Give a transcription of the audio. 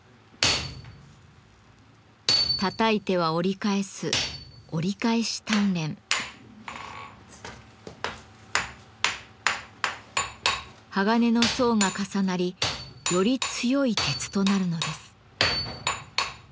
たたいては折り返す鋼の層が重なりより強い鉄となるのです。